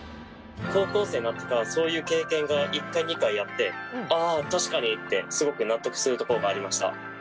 高校生になってからそういう経験が１回２回あって確かにってすごく納得するところがありました。